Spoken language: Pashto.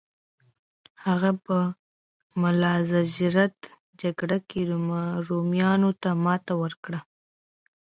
هغه په ملازجرد جګړه کې رومیانو ته ماتې ورکړه.